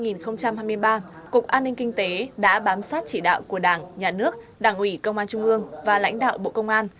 năm hai nghìn hai mươi ba cục an ninh kinh tế đã bám sát chỉ đạo của đảng nhà nước đảng ủy công an trung ương và lãnh đạo bộ công an